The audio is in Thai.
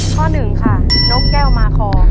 ข้อ๑ค่ะนกแก้วมาคอ